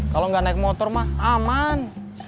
kalau nggak naik motor mah aman